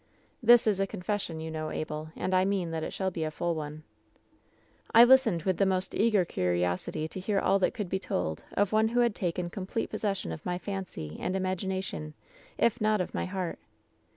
("This is a confession, you know, Abel. And I mean that it shall be a full one.) "I listened with the most eager curiosity to hear all that could be told of one who had taken complete pos session of my fancy and imagination, if not of my heart.